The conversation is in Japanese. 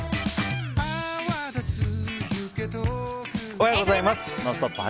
おはようございます。